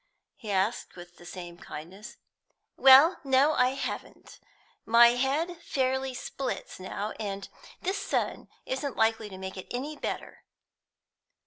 he asked, with the same kindness. "Well, no, I haven't. My head fairly splits now, and this sun isn't likely to make it any better."